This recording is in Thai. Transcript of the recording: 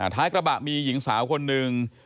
ท้ายกระบะมีหญิงสาวคนหนึ่ง